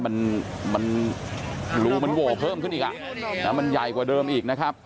อ่ะผมพันมึงกว่าดื่มอีกอ่ะอ่ะมันใหญ่กว่าเดิมอีกนะครับ